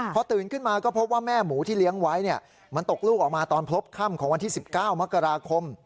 พอตื่นขึ้นมาก็พบว่าแม่หมูที่เลี้ยงไว้มันตกลูกออกมาตอนพบค่ำของวันที่๑๙มกราคม